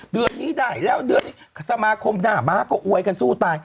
เดือนนี้ได้แล้วเดือนนี้สมาคมหน้าม้าก็อวยกันสู้ตาย